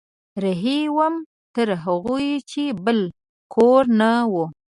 رهي وم تر هغو چې بل کور نه و